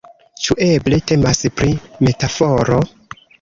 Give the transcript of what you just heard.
Ĉu eble temas pri metaforo?